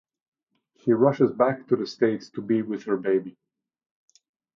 She rushes back to the states to be with her baby.